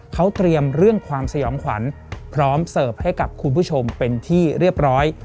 เขาเตรียมเรื่องความสยองขวัญพร้อมเสิร์ฟให้กับคุณผู้ชมเป็นที่เรียบร้อย